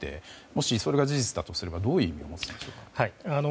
もし、それが事実だとすればどういう意味を持ちますか。